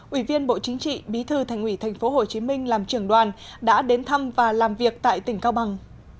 ủy viên bộ chính trị bí thư thành ủy tp hcm làm trưởng đoàn đã đến thăm và làm việc tại tỉnh cao bằng